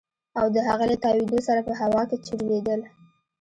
او د هغې له تاوېدو سره په هوا کښې چورلېدل.